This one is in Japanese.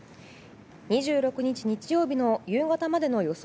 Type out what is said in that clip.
２６日、日曜日の夕方までの予想